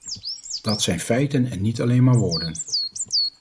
Dat zijn feiten en niet alleen maar woorden.